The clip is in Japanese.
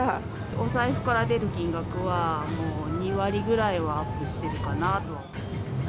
お財布から出る金額はもう２割ぐらいはアップしてるかなと。